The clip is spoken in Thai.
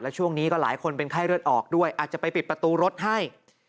ช่วงนี้ก็หลายคนเป็นไข้เลือดออกด้วยอาจจะไปปิดประตูรถให้